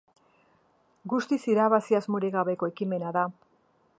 Guztiz irabazi asmorik gabeko ekimena da.